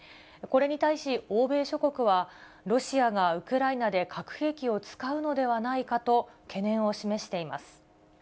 これに対し、欧米諸国は、ロシアがウクライナで核兵器を使うのではないかと懸念を示しています。